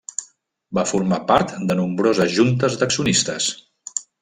Va formar part de nombroses juntes d'accionistes.